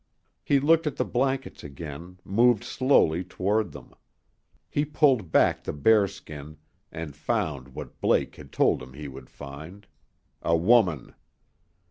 He looked at the blankets again, moved slowly toward them. He pulled back the bearskin and found what Blake had told him he would find a woman.